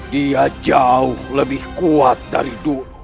dia jauh lebih kuat dari dulu